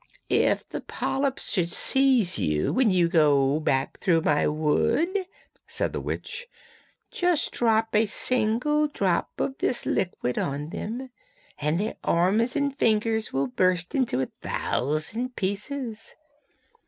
'If the polyps should seize you, when you go back through my wood,' said the witch, 'just drop a single drop of this liquid on them, and their arms and fingers will burst into a thousand pieces.'